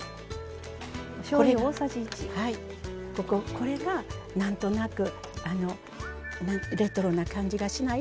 これがなんとなくレトロな感じがしない？